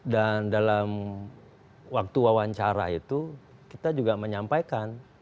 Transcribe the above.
dan dalam waktu wawancara itu kita juga menyampaikan